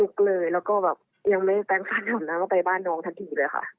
แล้วก็แบบยังไม่แปลงฟันแถวนั้นก็ไปบ้านน้องทันทีเลยค่ะ